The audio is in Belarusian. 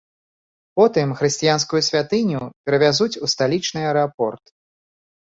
Потым хрысціянскую святыню перавязуць у сталічны аэрапорт.